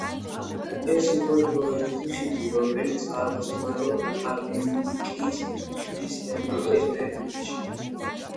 ეს იყო დროებითი ხიდი, რომელიც ააგეს მალო-კალინკინის ხიდის რემონტის პერიოდში.